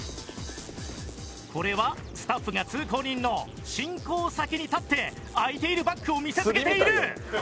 これはスタッフが通行人の進行先に立って開いているバッグを見せつけている！